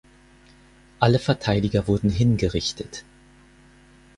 Alle Verteidiger wurden hingerichtet.